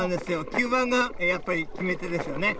吸盤がやっぱり、決め手ですよね。